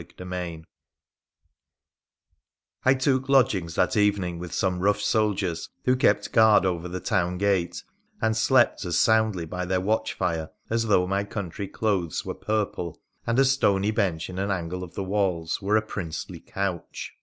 CHAPTER X I took lodgings that evening with some rough soldiers who kept guard over the town gate, and slept as soundly by their watch fire as though my country clothes were purple, and a stcny bench in an angle of the walls were a princely couch.